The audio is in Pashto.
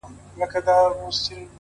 ته کندهار کي اوسه دا چينه بې وږمه نه سي’